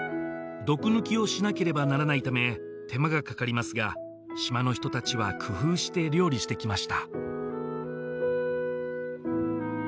毒抜きをしなければならないため手間がかかりますが島の人達は工夫して料理してきました